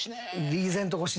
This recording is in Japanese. リーゼント越し。